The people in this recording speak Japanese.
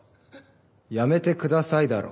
「やめてください」だろ。